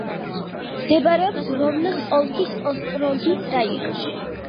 მდებარეობს როვნოს ოლქის ოსტროგის რაიონში.